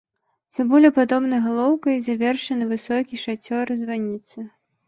Цыбулепадобнай галоўкай завершаны высокі шацёр званіцы.